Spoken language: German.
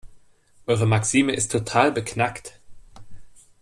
Eure Maxime ist total beknackt.